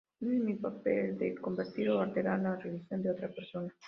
No es mi papel el de convertir o alterar la religión de otra persona.